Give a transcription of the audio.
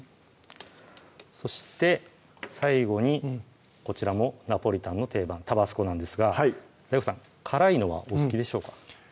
そして最後にこちらもナポリタンの定番タバスコなんですがＤＡＩＧＯさん辛いのはお好きでしょうか？